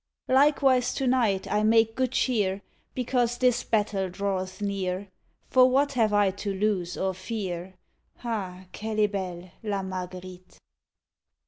_ Likewise to night I make good cheer, Because this battle draweth near: For what have I to lose or fear? _Ah! qu'elle est belle La Marguerite.